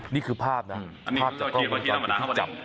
นี่คือภาพนะภาพพื้นกรอดที่จับ